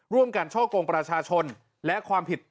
การช่อกงประชาชนและความผิด